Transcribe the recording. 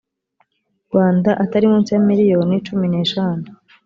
rwanda atari munsi ya miliyoni icumi n eshanu